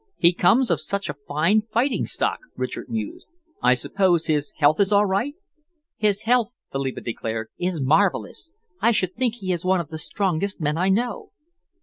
"He comes of such a fine fighting stock," Richard mused. "I suppose his health is all right?" "His health," Philippa declared, "is marvellous. I should think he is one of the strongest men I know."